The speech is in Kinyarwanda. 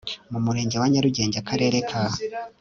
mu Murenge wa Nyarugenge Akarere ka